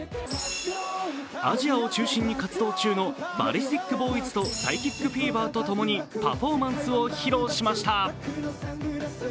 アジアを中心に活動中のＢＡＬＬＩＳＴＩＫＢＯＹＺとＰＳＹＣＨＩＣＦＥＶＥＲとともにパフォーマンスを披露しました。